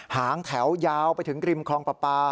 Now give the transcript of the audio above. หางแถวยาวไปถึงริมคลองปลาปลา